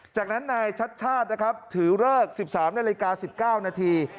จากนั้นนายชัดชาตินะครับถือเลิก๑๓นาฬิกา๑๙นาที